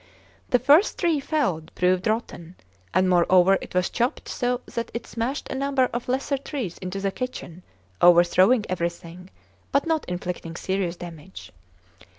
The first tree felled proved rotten, and moreover it was chopped so that it smashed a number of lesser trees into the kitchen, overthrowing everything, but not inflicting serious damage.